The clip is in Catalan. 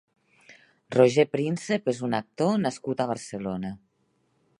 Roger Príncep és un actor nascut a Barcelona.